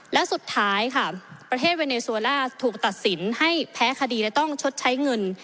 และสุดท้ายค่ะประเทศเวเนโซล่าถูกตัดสินให้แพ้คดีและต้องชดใช้เงิน